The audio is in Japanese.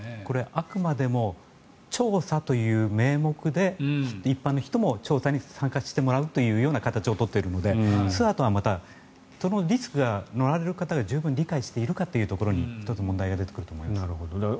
あくまでも調査という名目で一般の人も調査に参加してもらうという形を取っているのでツアーとはまたそのリスクを乗られる方が十分理解しているかというところに１つ問題が出てくると思います。